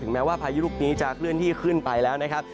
แม้ว่าพายุลูกนี้จะเคลื่อนที่ขึ้นไปแล้วนะครับ